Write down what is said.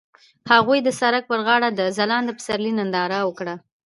هغوی د سړک پر غاړه د ځلانده پسرلی ننداره وکړه.